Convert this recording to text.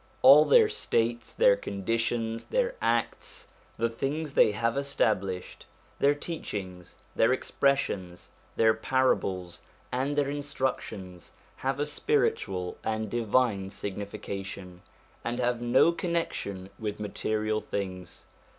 All their states, their condi tions, their acts, the things they have established, their teachings, their expressions, their parables, and their instructions have a spiritual and divine signification, and have no connection with material things.